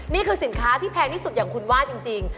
นี่คือสินค้าที่แพงที่สุดอย่างคุณว่าจริง